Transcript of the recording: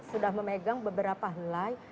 sudah memegang beberapa helai